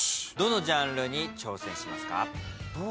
どのジャンルに挑戦しますか？